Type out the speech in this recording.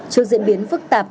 trước diễn biến phức tạp